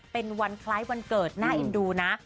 เป็นวันคล้ายวันเกิดน่าเอ็นดูนะ